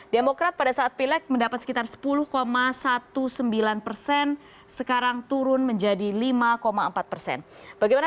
demokrat pada saat pilek mendapat sekitar sepuluh sembilan belas persen sekarang turun menjadi lima empat persen